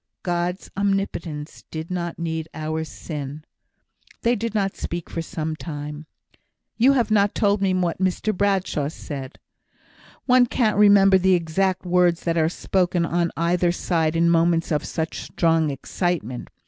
"God's omnipotence did not need our sin." They did not speak for some time. "You have not told me what Mr Bradshaw said." "One can't remember the exact words that are spoken on either side in moments of such strong excitement.